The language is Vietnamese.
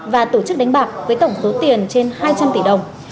và tổ chức đánh bạc với tổng số tiền trên hai trăm linh tỷ đồng